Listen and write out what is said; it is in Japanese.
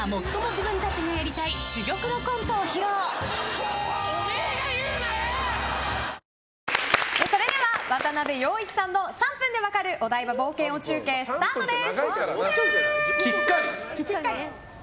３分過ぎちゃったらそれでは、渡部陽一さんの３分で分かるお台場冒険王中継スタートです。